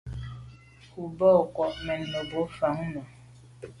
O ba kwa’ mènmebwô fan nà.